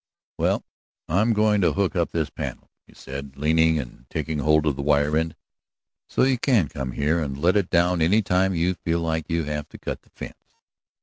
"Well, I'm going to hook up this panel," he said, leaning and taking hold of the wire end, "so you can come here and let it down any time you feel like you have to cut the fence.